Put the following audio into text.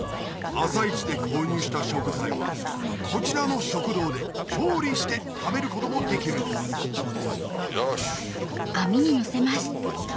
朝市で購入した食材はこちらの食堂で調理して食べることもできるんですよし！